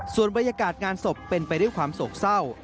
ส่วนบรรยากาศงานศพเป็นไปด้วยความโศกเศร้า